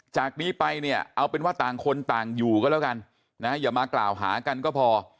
จากนี้ไปเนี่ยเอาเป็นว่าต่างคนต่างอยู่ก็แล้วกันนะอย่ามากล่าวหากันก็พอ